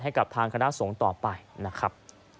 ให้กับทางคณะสงฆ์ต่อไปนะครับ